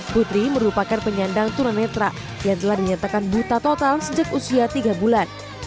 putri merupakan penyandang tunanetra yang telah dinyatakan buta total sejak usia tiga bulan